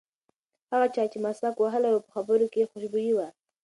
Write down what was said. هغه چا چې مسواک وهلی و په خبرو کې یې خوشبويي وه.